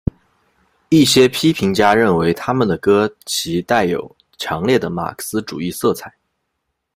一些批评家认为他们的歌其带有强烈的马克思主义色彩。